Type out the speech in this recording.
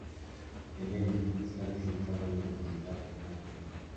Elena, está licenciada en la universidad Rice.